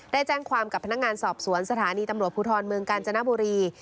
ได้แจ้งความกับพนักงานสอบสวนสถานีตำรวจภูทรเมืองกาญจนบุรี